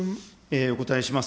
お答えします。